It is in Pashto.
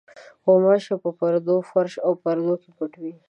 غوماشې په پردو، فرش او پردو کې پټې وي.